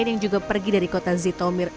yang juga pergi dari kota zitomir